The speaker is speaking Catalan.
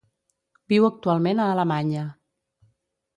Viu actualment a Alemanya.